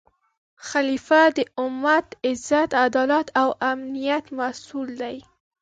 خلیفه د امت د عزت، عدالت او امنیت مسؤل دی